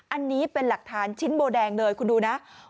อันนี้เป็นหลักฐานชิ้นโบแดงเลยคุณดูนะ